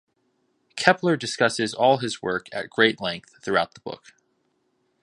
Kepler discusses all his work at great length throughout the book.